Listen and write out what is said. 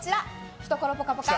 懐ぽかぽか！